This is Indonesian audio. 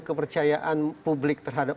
kepercayaan publik terhadap